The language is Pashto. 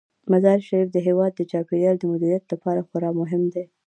مزارشریف د هیواد د چاپیریال د مدیریت لپاره خورا مهم دی.